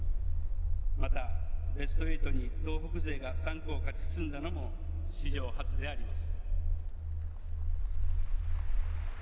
また、ベスト８に東北勢が３校勝ち進んだのも史上初であります。